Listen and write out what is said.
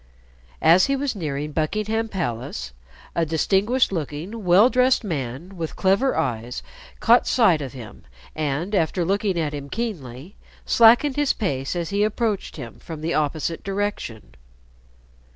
As he was nearing Buckingham Palace, a distinguished looking well dressed man with clever eyes caught sight of him, and, after looking at him keenly, slackened his pace as he approached him from the opposite direction.